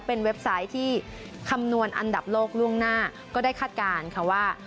เป็นเว็บไซต์ที่คำนวณอันดับโลกล่วงหน้าก็ได้คาดการณ์ค่ะว่า